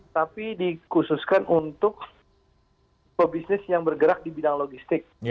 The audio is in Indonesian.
tapi dikhususkan untuk pebisnis yang bergerak di bidang logistik